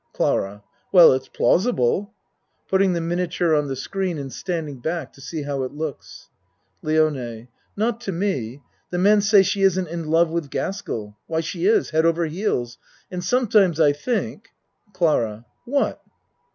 CLARA Well, it's plausible. (Putting the mina ture on the screen and standing back to see how it looks.) LIONE Not to me. The men say she isn't in love with Gaskell. Why, she is, head over heels and sometimes I think CLARA What?